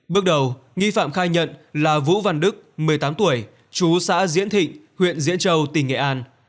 bước đầu nghi phạm khai nhận là vũ văn đức một mươi tám tuổi chú xã diễn thịnh huyện diễn châu tỉnh nghệ an